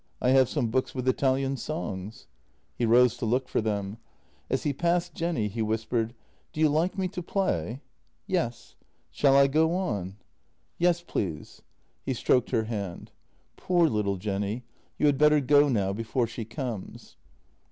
I have some books with Italian songs." He rose to look for them; as he passed Jenny he whispered: " Do you like me to play? "" Yes." " Shall I go on? " 148 JENNY " Yes, please." He stroked her hand: "Poor little Jenny. You had better go now — before she comes."